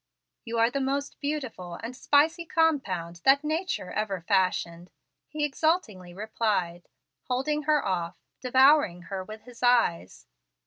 "You are the most beautiful and spicy compound that nature ever fashioned," he exultingly replied, holding her off, devouring her with his eyes.